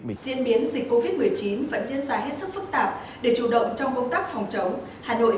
về diễn biến dịch covid một mươi chín vẫn diễn ra hết sức phức tạp để chủ động trong công tác phòng chống hà nội